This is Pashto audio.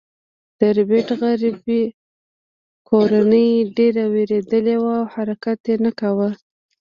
د ربیټ غریبه کورنۍ ډیره ویریدلې وه او حرکت یې نه کاوه